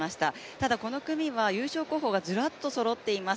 ただこの組は優勝候補がずらっとそろっています。